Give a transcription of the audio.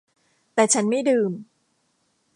แต่ฉันไม่ดื่ม